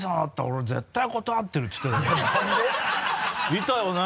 いたよね。